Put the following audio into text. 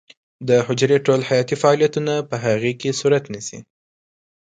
د حجرې ټول حیاتي فعالیتونه په هغې کې صورت نیسي.